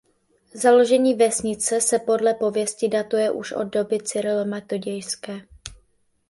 Založení vesnice se podle pověsti datuje už od doby cyrilometodějské.